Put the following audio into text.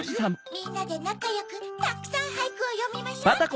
みんなでなかよくたくさんはいくをよみましょうって。